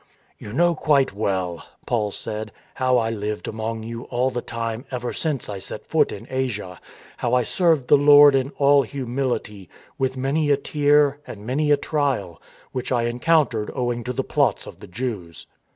" You know quite well," Paul said, " how I lived among you all the time ever since I set foot in Asia, how I served the Lord in all humility, with many a tear and many a trial which I encountered owing to the plots of the Jews."